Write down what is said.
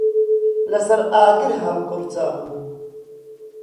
لەسەر ئاگر هەڵقرچابوو.